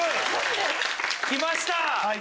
きました！